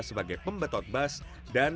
sebagai pembetot bas dan